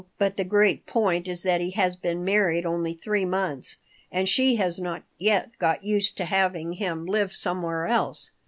But the great point is that he has been married only three months, and she has not yet got used to having him live somewhere else.